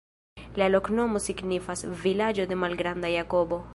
La loknomo signifas: vilaĝo de malgranda Jakobo.